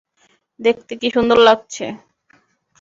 দেখতে কি সুন্দর লাগছে!